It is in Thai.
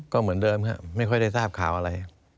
ก็เหมือนเดิมครับไม่ค่อยได้ทราบข่าวอะไร